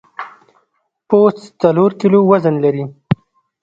پوست څلور کیلو وزن لري.